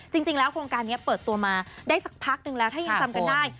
จริงแล้วโครงการนี้เปิดตัวมาได้สักพักนึงแล้วถ้ายังจำกันได้